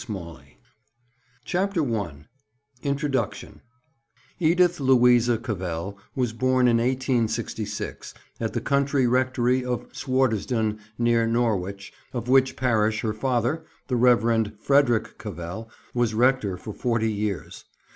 CONCLUSION 167 I INTRODUCTION Edith Louisa Cavell was born in 1866 at the country rectory of Swardeston, near Norwich, of which parish her father, the Rev. Frederick Cavell, was rector for forty years.